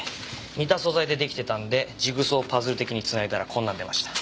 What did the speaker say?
似た素材で出来てたんでジグソーパズル的に繋いだらこんなん出ました。